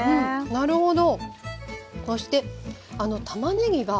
なるほど。